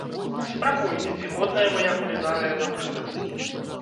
Спрабуеце, ці годная мая кулінарыя да ўжытку.